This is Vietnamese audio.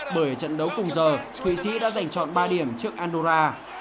bởi trận đấu cùng giờ thụy sĩ đã giành chọn ba điểm trước andura